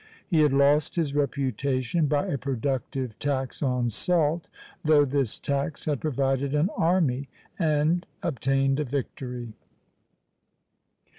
He had lost his reputation by a productive tax on salt, though this tax had provided an army and obtained a victory!